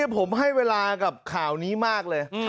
ผมให้เวลากับข่าวนี้มากเลย